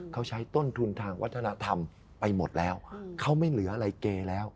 เขาใช้ต้นทุนทางวัฒนธรรมไปหมดแล้วเขาไม่เหลืออะไรเกย์แล้ว